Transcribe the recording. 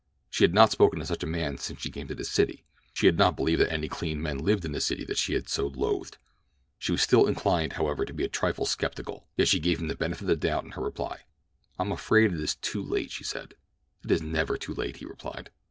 She had not spoken to such a man since she came to the city—she had not believed that any clean men lived in the city that she so loathed. She was still inclined, however, to be a trifle skeptical; yet she gave him the benefit of the doubt in her reply. "I am afraid that it is too late," she said. "It is never too late," he replied.